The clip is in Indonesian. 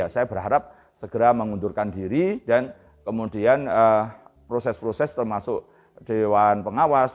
saya berharap segera mengundurkan diri dan kemudian proses proses termasuk dewan pengawas